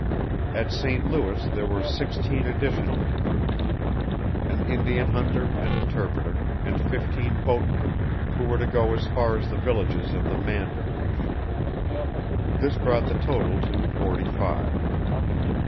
At St. Louis there were sixteen additional recruits, an Indian hunter and interpreter, and fifteen boatmen, who were to go as far as the villages of the Mandan Nation. This brought the total to forty five.